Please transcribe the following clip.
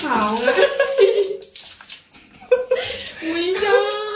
มันไม่ใช่